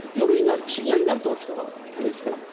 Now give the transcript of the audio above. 深夜になると人が急に少なくなる。